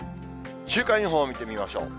週間予報を見てみましょう。